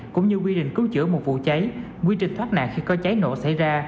cũng như quy định cứu chữa một vụ cháy quy trình thoát nạn khi có cháy nổ xảy ra